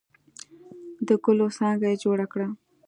د ګلو څانګه یې جوړه کړه.